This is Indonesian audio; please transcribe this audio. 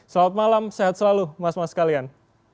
selamat malam sehat selalu mas mas kalian